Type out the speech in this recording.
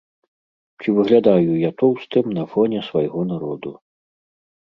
Ці выглядаю я тоўстым на фоне свайго народу?